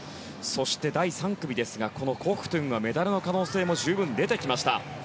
そして第３組ですがコフトゥンはメダルの可能性も十分出てきました。